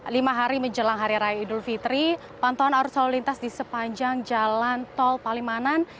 lima hari menjelang hari raya idul fitri pantauan arus lalu lintas di sepanjang jalan tol palimanan